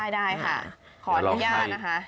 ได้ค่ะขออนุญาตนะคะ